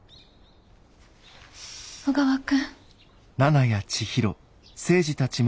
小川君。